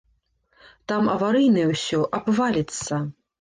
Там аварыйнае ўсё, абваліцца.